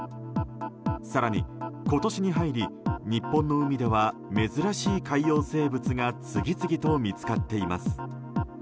更に今年に入り、日本の海では珍しい海洋生物が次々と見つかっています。